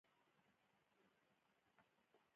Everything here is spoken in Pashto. د پیرودونکو خدمتونه د ټولنې د هوساینې لامل ګرځي.